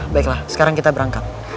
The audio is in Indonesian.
baiklah sekarang kita berangkat